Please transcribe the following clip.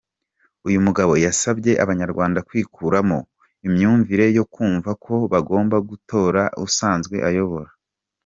Uyu mugabo yasabye Abanyarwanda kwikuramo imyumvire yo kumva ko bagomba gutora usanzwe ayobora.